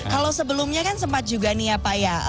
kalau sebelumnya kan sempat juga nih ya pak ya